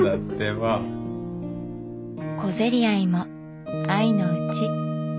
小競り合いも愛のうち。